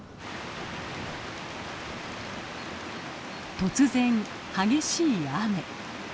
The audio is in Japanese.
突然激しい雨。